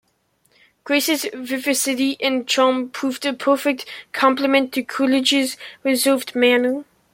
Grace's vivacity and charm proved a perfect complement to Coolidge's reserved manner.